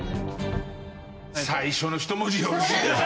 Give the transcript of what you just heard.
最初の１文字よろしいですか？